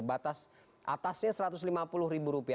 batas atasnya rp satu ratus lima puluh